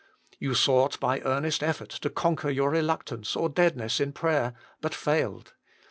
You sought by earnest effort to conquer your reluctance or deadness in prayer, but failed.